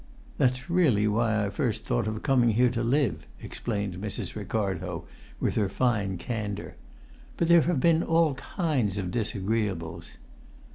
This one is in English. "That's really why I first thought of coming here to live," explained Mrs. Ricardo, with her fine candour. "But there have been all kinds of disagreeables."